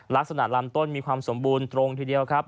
ลำต้นมีความสมบูรณ์ตรงทีเดียวครับ